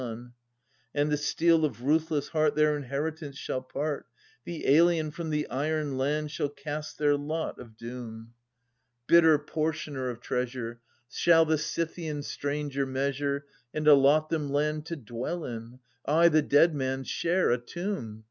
(AnU i) And the steel of ruthless heart their inheritance shall part ; The alien from the Iron Land shall cast their lot of doom: \ 34 JESCHYLUS. Bitter portioner of treasure, shall the Scythian stranger measure 730 And allot them land to dwell in — ay, the dead man's share, a tomb